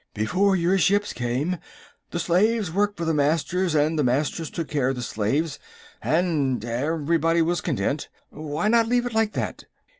"Before your ships came, the slaves worked for the Masters, and the Masters took care of the slaves, and everybody was content. Why not leave it like that?"